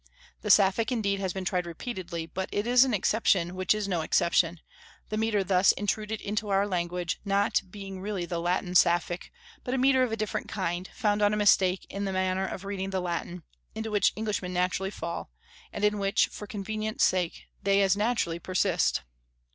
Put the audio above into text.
The Sapphic, indeed, has been tried repeatedly; but it is an exception which is no exception, the metre thus intruded into our language not being really the Latin Sapphic, but a metre of a different kind, founded on a mistake in the manner of reading the Latin, into which Englishmen naturally fall, and in which, for convenience' sake, they as naturally persist.